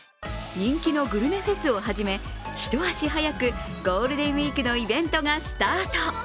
人気のグルメフェスをはじめ一足早くゴールデンウイークのイベントがスタート。